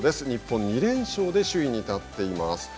日本、２連勝で首位に立っています。